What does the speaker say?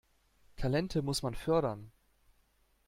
Talente muss man fördern.